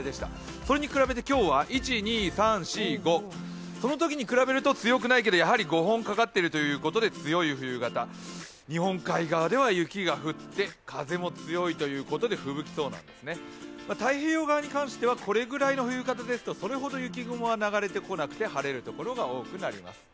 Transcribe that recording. それに比べて今日は５、そのときに比べると強くないけどやはり５本かかってるということで強い冬型、日本海側では雪が降って風も強いということでふぶきそうなんですね、太平洋側に関してはこれぐらいの降り方ですと、それほど雪雲が流れてこなくて、晴れる所が多くなります。